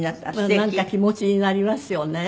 なんか気持ちになりますよね。